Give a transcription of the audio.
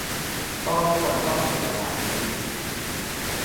ก็ไม่ควรต้องปิดสถานที่